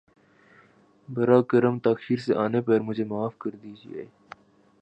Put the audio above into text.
براہ کرم تاخیر سے آنے پر مجھے معاف کر دیجۓ